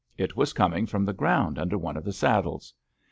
It was coming from the ground under one of the saddles.